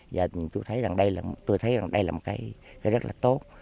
và tôi thấy rằng đây là một cái rất là tốt